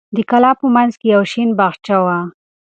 د کلا په منځ کې یو شین باغچه وه.